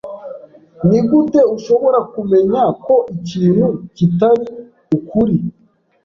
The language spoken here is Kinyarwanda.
Nigute ushobora kumenya ko ikintu kitari ukuri?